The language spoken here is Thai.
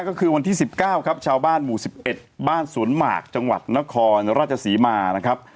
ก็คือวันที่สิบเก้าครับชาวบ้านหมู่สิบเอ็ดบ้านสวนหมากจังหวัดนโครราชศรีมาครับ